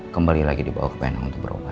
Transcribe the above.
kembali lagi dibawa ke penang untuk berubah